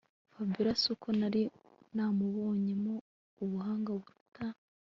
Fabiora suko nari namubonyemo ubuhanga buruta